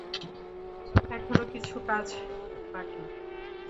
এখনো কিছু কাজ বাকি।